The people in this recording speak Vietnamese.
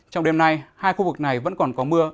trong đêm nay hai khu vực này vẫn còn có mưa